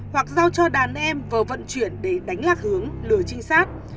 hoặc giao cho đàn em vừa vận chuyển để đánh lạc hướng lừa trinh sát